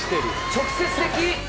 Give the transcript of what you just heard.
直接的。